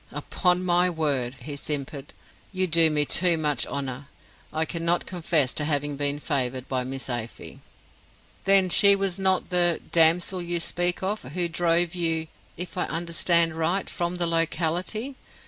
"Upon my word," he simpered, "you do me too much honor; I cannot confess to having been favored by Miss Afy." "Then she was not the the damsel you speak of, who drove you if I understand aright from the locality?"